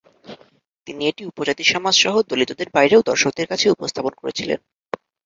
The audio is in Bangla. তিনি এটি উপজাতি সমাজ সহ দলিতদের বাইরেও দর্শকদের কাছে উপস্থাপন করেছিলেন।